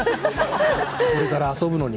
これから遊ぶのに。